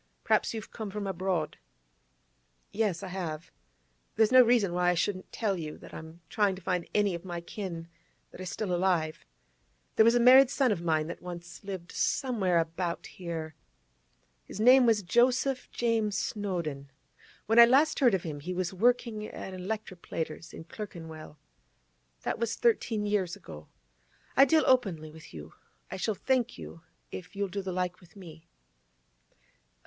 P'r'aps you've come from abroad?' 'Yes, I have. There's no reason why I shouldn't tell you that I'm trying to find any of my kin that are still alive. There was a married son of mine that once lived somewhere about here. His name was Joseph James Snowdon. When I last heard of him, he was working at a 'lectroplater's in Clerkenwell. That was thirteen years ago. I deal openly with you; I shall thank you if you'll do the like with me.